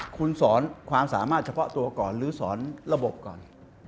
คุณสอนความสามารถเฉพาะตัวก่อนหรือสอนระบบก่อน